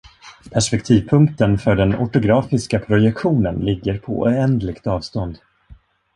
"Perspektivpunkten" för den ortografiska projektionen ligger på oändligt avstånd.